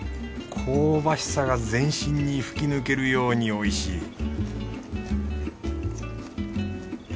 香ばしさが全身に吹き抜けるようにおいしい